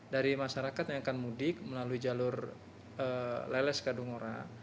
dari masyarakat yang akan mudik melalui jalur leles kadungora